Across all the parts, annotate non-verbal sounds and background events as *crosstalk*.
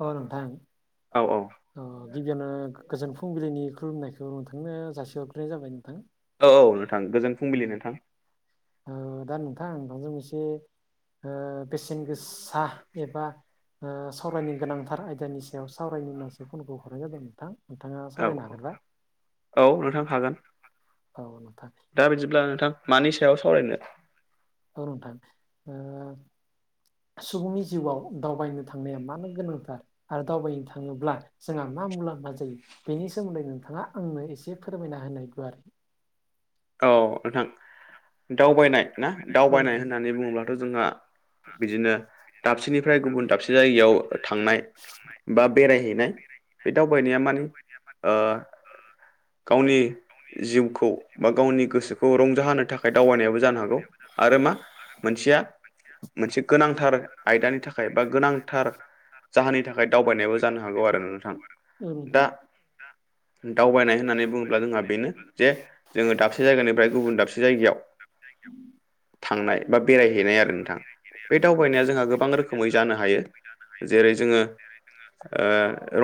अ नोंथां औ औ अ गिबियावनो गोजोन फुंबिलिनि खुलुमनायखौ नोंथांनो जासि हरग्रोननाय जाबाय नोंथां औ *unintelligible* ओ दा नोंथां नोंथांजों एसे ओ बेसेन गोसा एबा ओ सावरायनो गोनांथार आयदानि सायाव सावरायनो होनासो फनखौ हरनाय जादों नोंथां नोंथाङा सावरायनो हागोनबा? औ नोंथां हागोन। औ नोंथां। दा बिदिब्ला नोंथां मानि सायाव सावरायनो *unintelligible* ओ नोंथां सुबुंनि जिउआव दावबायनो थांनाया मानो गोनांथार आरो दावबायनो थाङोब्ला जोंहा मा मुलाम्फा जायो बेनि सोमोन्दै नोंथाङा आंनो एसे फोरमायना होनाय गुवारै औ नोंथां दावबायनाय ना दावबायनाय होननानै बुङोब्लाथ' जोंहा *unintelligible* बा‌ बेरायहैनाय *unintelligible* गावनि जिउखौ बा गावनि गोसोखौ रंजाहोनो थाखाय दावबायनायाबो जानो हागौ आरो मा मोनसेया *unintelligible* मोनसेया मोनसे गोनांथार आयदानि थाखाय बा गोनांथार *unintelligible* दावबायनाय बायनाय होननानै *unintelligible* *unintelligible* बेरायनाय गेलेनायै *unintelligible* माखासे जानो हायो जेरै जोङो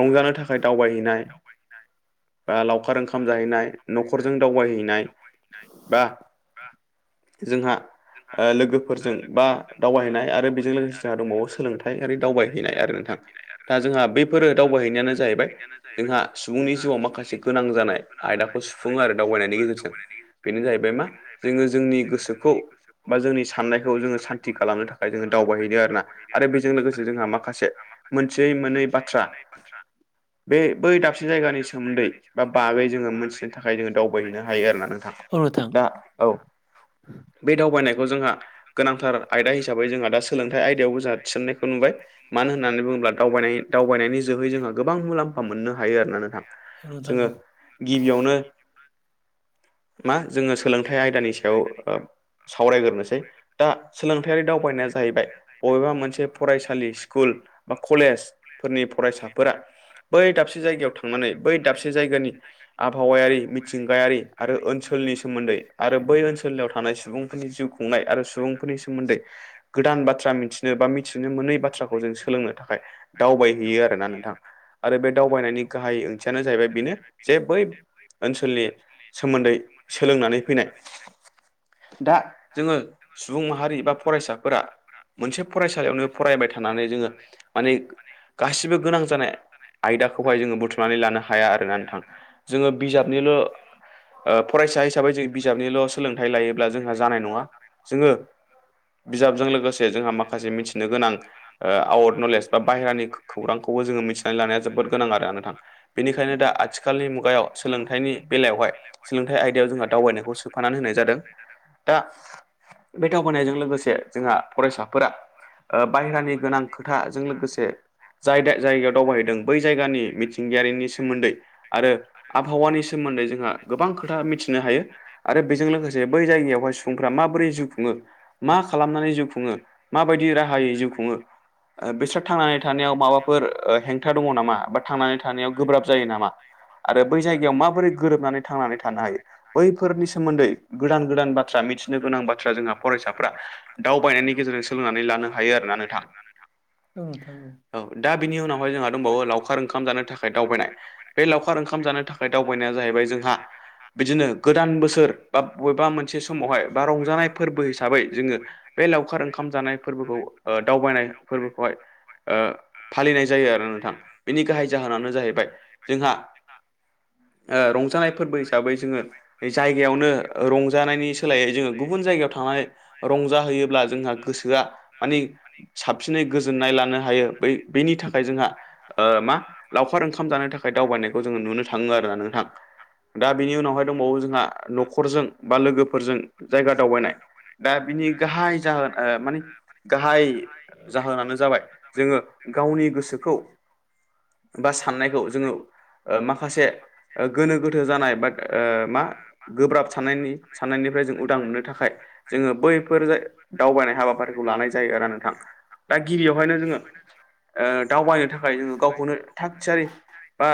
रंजानो थाखाय दावबायहैनाय *unintelligible* बा *unintelligible* जोंहा लोगोफोरजों बा दावबायहैनाय आरो बेजों लोगोसे जोंहा दंबावो सोलोंथायारि दावबायहैनाय आरो नोंथां दा जोंहा बे जोंहा बेफोरो दावबायहैनायानो जाहैबाय जोंहा सुबुंनि जिउआव माखासे गोनां जानाय आरो दाव *unintelligible* सुबुंङा आरो दावबायनायनि गेजेरजों बेनो जाहैबाय जङो जों गोसो बा जोंनि साननायखौ जोङो सान जोङो साखि खालामनो थाखाय जोङो दावबाय हैयो आरो बेजों लोगोसे जोंहा माखासे मोनसे माने बाथ्रा बे बै दाबसे जायगानि सोमोन्दै बा बागै जोङो मोनथिनो थाखाय जोङो दावबायहैनो हायो आरोना नोंथां दा औ बे दावबायनायखौ जोंहा गोनांथार आयदा हिसाबै जोंहा दा सोलोंथाइ आयदायावबो जोंहा थिसननायखौ नुबाय मानो होननानै बुङोब्ला दावबायनाय दावबायनायनि जोहै जोंहा गोबां मुलाम्फा मोननो हायो आरोना नोंथां जोङो *inaudible* मा जोङो सोलोंथाइ आयदानि सायाव सावरायग्रोनोसै दा सोलोंथायारि दावबायनाया जाहैबाय बबेबा मोनसे फरायसालि स्कुल बा कलेज फोरनि फरायसाफोरा बै दाबसे जायगायाव थांनानै बै दाबसे जायगानि आबहावायारि मिथिंगायारि आरो ओनसोलनि सोमोन्दै आरो बै ओनसोलनियाव थानाय सुबुंफोरनि जिउ खुंनाय आरो सुबुं फोरनि सोमोन्दै गोदान बाथ्रा मिथिनो बा मिथिनो मोनै बाथ्राखौ जों सोलोंनो थाखाय दावबायनाय दावबायहैयो आरोना ओमफाय बे दावबायनायनि ओंथियानो जाहैबाय बेनो बै बै ओनसोलनि ओनसोलनि सोमोन्दै सोलोंनानै फैनाय दा जोङो सुबुं माहारि बा फरायसाफोरा मोनसे फरायसा फरायबाय थानानै माने गासिबो गोनां जानाय *unintelligible* आयदाफोरखौ बुथुमनानै लानो हाया आरोना नोंथां जोङो बिजाबजोंल' फरायसा हिसाबै जों बिजाबनिल' सोलोंथाइ लायोब्ला जोंहा जानाय नङा बिदिनो बिजाबजों लोगोसे जोंहा माखासे मिथिनो गोनां आवट नलेज बा बाहेरानि गोबां खोथा जोङो मिथिनानै लानांगौ आरो बेनिखायनो दा आथिखालनि मुगायाव बेलायावहाय *unintelligible* नाय जादों दा बे दावबायनायजों लोगोसे जोंहा फरायसाफोरा बाहेरानि गोनां खोथाजों लोगोसे जाय जायगायाव दावबायहैदों बै जायगानि मिथिंगायारिनि सोमोन्दै आरो आबहावानि सोमोन्दै जोंहा गोबां खोथा मिथिनो हायो आरो बेजों लोगोसे बै जायगायावहाय सुबुंफोरा माबादि जिउ खुङो मा खालामनानै जिउ खुङो माबायदि राहायै जिउ खुङो बिसोर्रा थांनानै थानायाव माबाफोर हेंथा दङ नामा बा थांनानै थानायाव गोब्राब जायो नामा? आरो बै जायगायाव माबोरै गोरोबनानै थायो? गोरोबनानै थानो हायो बैफोरनि सोमोन्दै गोनां गोनां बाथ्रा मिथिनो हायो। जोंहा फरायसाफ्रा दावबायनायनि गेजेरजों सोलोंनानै लानो हायो आरोना नोंथां। औ दा बिनि उनावहाय जोंहा दंबावो लावखार ओंखाम जानो थाखाय दावबायनाय। बे लावखार ओंखाम जानो थाखाय दावबायनाया जाहैबाय जोंहा बिदिनो गोदान बोसोर बा बबेबा मोनसे समावहाय माब्लाबा फोरबो हिसाबै जोङो बे लावखार ओंखाम जानाय फोरबोखौओ दावबायनाय फोरबोखौहाय ओ फालिनाय जायो आरो नोंथां बिनि गाहाइ जाहोनानो‌ जाहैबाय जोंहा ओ रंजानाय फोरबो हिसाबै जोङो जायगायावनो रंजानायनि सोलायै जोङो गुबुन जायगायाव थां रंजा होयोब्ला जोंहा गोसोआ मानिे साबसिनै गोजोननाय लानो हायो बै बै फिथाइनि थाखाय जोंहा ओ दावबायनाय नुनो मोनो। थाङो आरोना नोंथां। दा बिनि उनावहाय दंबावो जोंहा न'खरजों बा लोगोफोरजों जायगा दावबायनाय। दा बिनि गाहाय जाहोन ओ माने गाहाय जाहोनानो जाबाय जोङो गावनि गोसोखौ बा साननायखौ ओ माखासे ओ गोनो गोथो जानाय बा ओ मा गोब्राब साननायनि साननायनिफ्राय जों उदां मोननो थाखाय जोङो बैफोर दावबायनाय हाबाफारिखौ लानाय जायो आरो नोंथां। दा गिबियावहायनो जोङो दावबायनो थाखाय जोङो गावखौनो थाग थियारि बा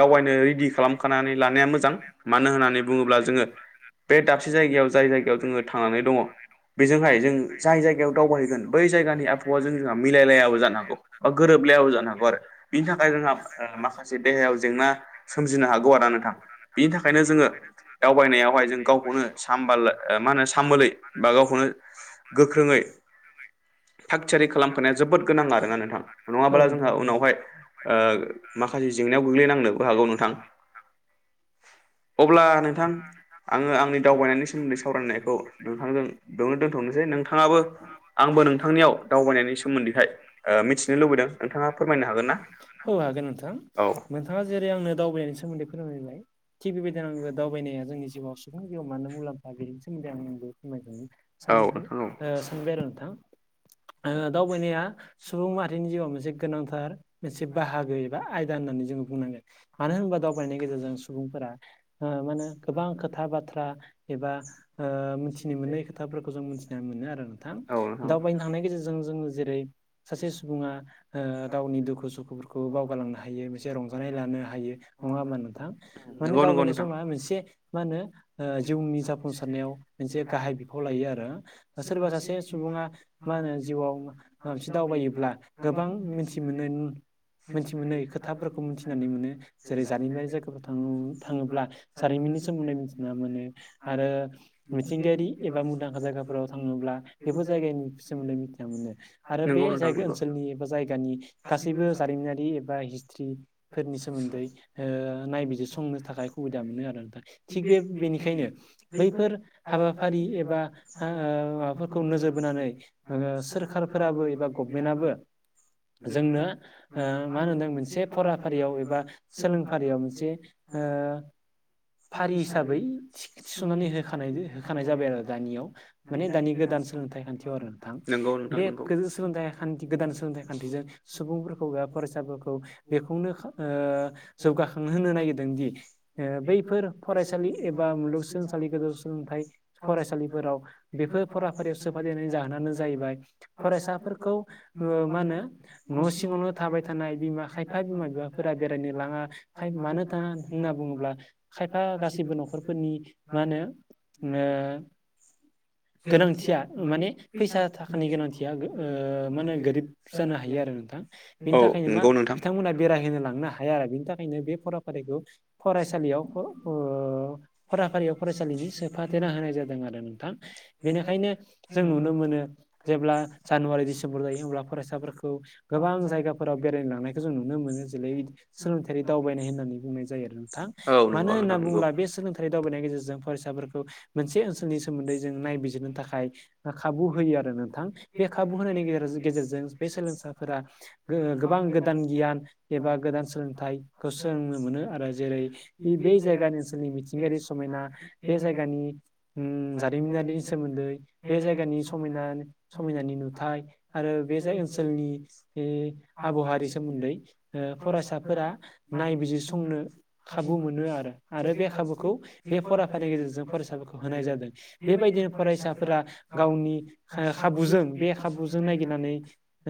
दावबायनो दावबायनाय होननानैबुंङोब्ला जोंङो दाबसे जायगायाव थनानै द बे जाहैबाय जायाव द जायनि *unintelligible* मा होननो हागौ आरो ज दावनाय आवनाय आवा मा होनो? *unintelligible* गोख्रोङै थाग थियारि खालामखानाया जोबोद गोनां आरोना नोंथां नङाब्ला जोंहा उनावहाय ओ माखासे जेंनायाव गोग्लैनांनोबो हागौ नोंथां। अब्ला नोंथां आङो आंनि दावबायनायनि सोमोन्दै सावरायनायखौ नोंथांजों बेयावनो दोनथ'नोसै नोंथाङाबो आंबो नोंथांनियाव दावबायनायनि सोमोन्दैहाय औ हागोन नोंथां। नोंथाङा जेरै आंनो दावबायनायनि सोमोन्दै फोरमायबाय। थिग बेबायदिनो आं दावबायनाया जोंनि जिउआव सुबुं जिउआव मानो मुलाम्फा बेनि सोमोन्दै आंंबो फोरमायदों। सानबाय आरो नोंथां। दावबायनाया सुबुं माहारिनि जिउआव मोनसे गोनांथार मोनसे बाहागो‌। दा आयदा होननानै जोङो बुंनांगोन मानो होनोबा दावबायनायनि गेजेरजों सुबुंफोरा माने गोबां खोथा बाथ्रा एबा ओ मिथिनो मोननाय खोथाफोरखौ जों मिथिना मोनो आरो नोंथां दावबायनो थांनायनि गेजेरजों जोङो जेरै सासे सुबुङा गावनि दुखु सुखुफोरखौ बावगारलांनो हायो मोनसे रंजानाय लानो हायो। नङा होमब्ला नोंथां माने दावबायनाय समा मोनसे मा होनो जिउनि जाफुंसारनायाव मोनसे गाहाय बिफाव लायो आरो सोरबा सासे सुबुङा मा होनो जिउआव मोनसे दावबायोब्ला गोबां मिथि मोनो। मिथि मोनै खोथाफोरखौ मिथिनानै मोनो जेरै जारिमिनारि जायगा थाङोब्ला जारिमिननि सोमोन्दै मिथिना मोनो आरो मिथिंगायारि एबा मुंदांखा जायगाफोराव थाङोब्ला बेफोर जायगानि सोमोन्दै मिथिना मोनो। आरो बे जायगा ओनसोलनि एबा जायगानि गासैबो जारिमिन बा हिसत्रि फोरनि सोमोन्दै ओ नायबिजिरनाय संनो थाखाय सुबिदा मोनो आरो नोंथां थिग बे बेनिखायनो बैफोर हाबाफारि एबा माबाफोरखौ नोजोर बोनानै सोर सखारफोराबो एबा गभमेन्टयाबो जोंनो मा होनदों मोनसे फराफारियाव एबा सोलोंफारियाव मोनसे ओ फारि हिसाबै थिकि थिसुनानै होखानाय होखानाय जाबाय आरो दानियाव माने दानि गोदान सोलोंथाइ खानथियाव आरो नोंथां बे सोलोंथाइ खानथि गोदान सोलोंथाइ खानथिजों सुबुंफोरखौ एबा फरायसाफोरखौ बेखौनो जौगाखांहोनो नागिरदों बैफोर फरायसालि एबा मुलुगसोलोंसालि गोजौ सोलोंथाइ फरायसालिफोराव बेफोर फराफारियाव सोफानायनि जाहोनानो जाहैबाय फरायसाफोरखौ मा होनो न' सिङावनो थाबाय थानाय बिमा खाय फाइ बिमा बिफाफोरा बेरायनो लाङा फाइ मानो थान होनना बुङोब्ला खायफा गासैबो न'खरफोरनि मा होनो *unintelligible* गोनांथिया माने फैसा थाखानि गोनांथियाओ मानो होनो गोरिब जानो हायो आरो नोंथां बेनि थाखायनो मा बिथांमोना बेरायहोनो लांनो हाया आरो बेनि थाखायनो बे फराफारिखौ फरायसालियाव ओ फराफारियाव फरायसालिनि सोफदेरना होनाय जादों आरो नोंथां बेनिखायनो जों नुनो मोनो जेब्ला जानुवारि डिसेम्बर जायो अब्ला फरायसाफोरखौ गोबां जायगाफोराव बेरायनो लांनायखौ जों नुनो मोनो जेरै सोलोंथायारि दावबायनाय होननानै बुंनाय जायो नोंथां मानो होनना बुङोला बे सोलोंथाइ दावबायनायनि गेजेरजों फरायसाफोरखौ मोनसे ओनसोलनि सोमोन्दै जों नायबिजिरनो थाखाय खाबु होयो आरो नोंथां बे खाबु होनायनि गेजेर गेजेरजों बे सोलोंसाफोरा गोबां गोदान गियान एबा गोदान सोलोंथाइखौ सोलोंनो मोनो आरो जेरै बे जायगानि ओनसोलनि मिथिंगायारि समायना बे जायगानि उम जारिमिनारिनि सोमोन्दै बे जायगानि समायना समायनानि नुथाय आरो बे जाय ओनसोलनि आबहावारि सोमोनदै फरायसाफोरा नायबिजिरसं संनो खाबु मोनो आरो आरो बे खाबुखौ बे फराफानि गेजेरजों फरायसाफोरखौ होनाय जादों बेबायदिनो फरायसाफोरा गावनि खाबुजों बे खाबुजों नागिरनानै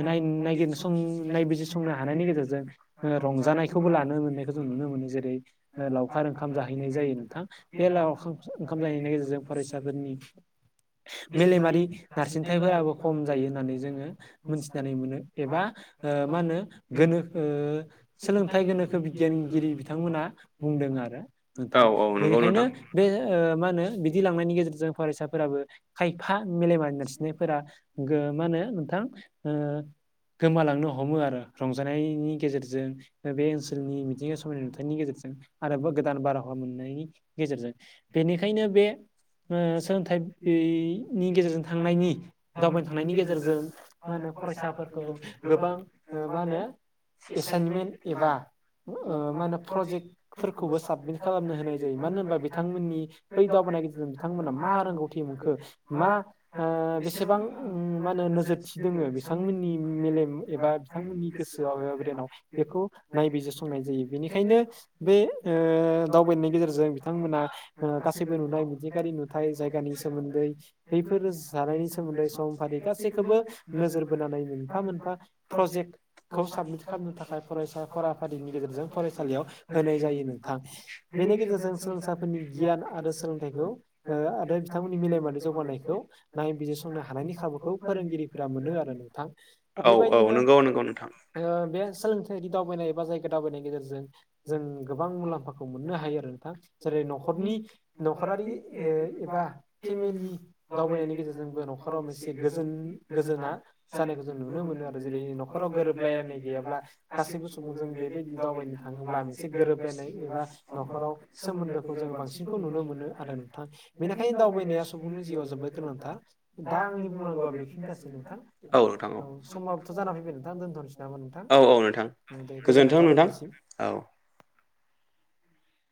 नाय नागिरनो नायबिजिर संनो हानायनि गेजेरजों रंजानायखौबो लानो मोननाय जों नुनो मोनो जेरै ओ लावखार ओंखाम जाहैनाय जायो नोंथां बे लावखा ओंखाम जाहैनाय गेजेरजों फरायसाफोरनि मेलेमारि नारसिनथायफोराबो खम जायो होननानै जोङो मोनथिनानै मोनो एबा ओ मा होनो गोनोखो ओ सोलोंथाइ गोनोखो बिगियान बगिरि बिथांमोना बुंदों आरो नोंथां बेनिखायनो बे मा होनो बिदि लांनायनि गेजेरजों फरायसाफोराबो खायफा मेलेमारि नारसिननायफोरा गो मा होनो नोंथां ओ गोमालांनो हमो आरो रंजानायनि गेजेरजों बे ओनसोलनि बिदिनो समायना नुथायनि गेजेरजों आरोबाव गोदान बारहावा मोननायनि गेजेरजों बेनिखायनो बे ओ सोलोंथाइनि गेजेरजों थांनायनि दावबायनो थांनायनि गेजेरजों मा होनो फरायसाफोरखौ गोबां मा होनो एसाइनमेन्ट एबा ओ मा होनो प्रजेक्ट फोरखौबो साबमिट खालामनो होनाय जायो मानो होनबा बिथांमोननि बै दावबायानाय गेजेरजों बिथांमोना मा रोंगौथि मोनखो मा ओ बेसेबां मा होनो नोजोरथि दोङो बिथांमोननि मेलेम एबा बिथांमोननि गोसोयाव एबा ब्रेनाव बेखौ नायबिजिरसं बुंनाय जायो बेनिखायनो बे ओ दावबायनायनि गेजेरजों बिथांमोना गासैबो नुनाय मिथिंगायारि नुथाय जायगानि सोमोनदै बफोर जानायनि सोमोनदै सम फारि गासैखौबो नोजोर बोनानै मोनफा मोनफा प्रजेक्ट खौ साबमिट खालामनो थाखाय फरायसा फराफारिनि गेजेरजों फरायसालियाव होनाय जायो नों थां बिनि गेजेरजों सोलोंसाफोरनि गियान आरो सोलोंथाइखौ ओ आरो बिथांमोननि मेलेमारि जौगानाय खौ नायबिजिरसंनो हानायनि खाबुखौ फोरोंगिरिफोरा मोनो आरो नोंथां। बेबायदिनो ओ बे सोलोंथायदि दावबायनाय एबा जायगा दावबायनायनि गेजेरजों जों गोबां मुलाम्फाखौ मोननो हायो आरो नोंथां। जेरै न'खरनि न'खरारि ओ एबा फेमिलि दावबायनायनि गेजेरजोंबो न'खराव मोनसे गोजोन गोजोना जानायखौ जों नुनो मोनो आरो जेरै न'खराव गोरोबलायानाय गैयाब्ला गासिबो समाव जों बेबायदि दावबायनो थाङोब्ला मोनसे गोरोब लायनाय एबा न'खराव सोमोन्दोखौ जोंङो बांसिनखौ नुनो मोनो आरो नोन्थां। बेनिखायनो दावबायनाया सुबुंनि जिउआव जोबोद गोनांथा। दा आंनि बुंनांगौआ बेखिनिथासै नोंथां। औ नोंथां औ औ औ नोंथां। गोजोन्थों नोंथां औ।